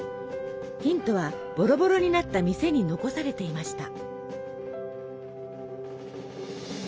ヒントはボロボロになった店に残されていました。